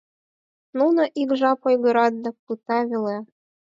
Нуно ик жап ойгырат да пыта веле.